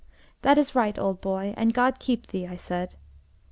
"That is right, old boy, and God keep thee!" I said.